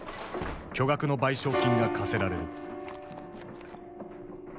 巨額の賠償金が課せられる。